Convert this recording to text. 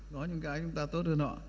có những cái chúng ta tốt hơn họ